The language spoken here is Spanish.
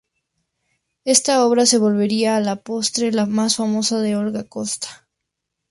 Esta obra se volvería a la postre la más famosa de Olga Costa.